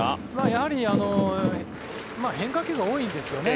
やはり変化球が多いんですよね。